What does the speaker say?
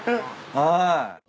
はい。